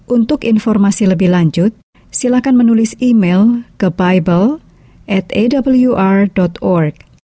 untuk informasi lebih lanjut silakan menulis email ke bible atawr org